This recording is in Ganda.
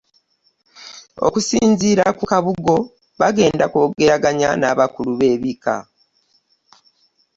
Okusinziira ku Kabugo, bagenda kwogerezeganya n'abakulu b'ebika